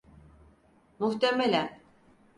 Muhtemelen.